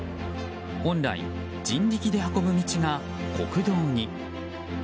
本来、人力で運ぶ道が国道に。